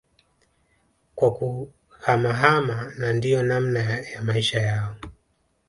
kwa kuhamahama na ndio namna ya Maisha yao